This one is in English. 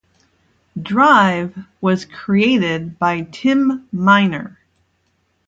"Drive" was created by Tim Minear.